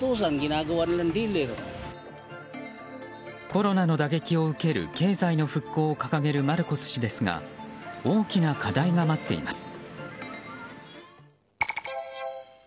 コロナの打撃を受ける経済の復興を掲げるマルコス氏ですが大きな課題が待っています。